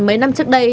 mấy năm trước đây